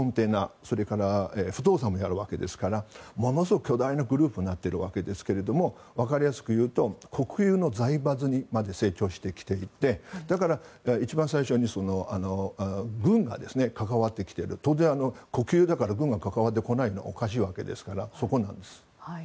それから不動産もやるわけですからものすごく巨大なグループになっているわけですがわかりやすくいうと国有の財閥にまで成長してきていてだから一番最初に軍が関わってきていると当然、国営だから軍が関わってこないのはおかしいわけですからそこなんです。